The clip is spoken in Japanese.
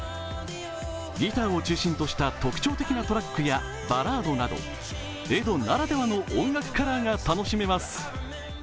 ギターを中心とした特徴的なトラックやバラードなどエドならではの音楽カラーが楽しめます。